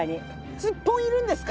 スッポンいるんですか？